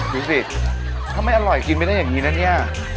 ดูสิทำไมอร่อยกินไม่ได้อย่างนี้นะเนี่ย